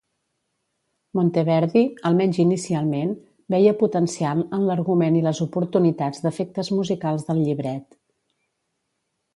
Monteverdi, almenys inicialment, veia potencial en l'argument i les oportunitats d'efectes musicals del llibret.